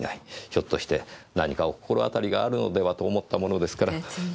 ひょっとして何かお心当たりがあるのではと思ったものですから。